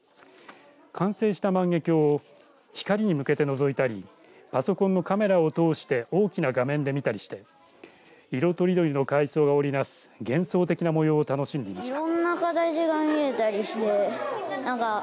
完成した万華鏡を光に向けてのぞいたりパソコンのカメラを通して大きな画面で見たりして色とりどりの海藻が織り成す幻想的な模様を楽しんでいました。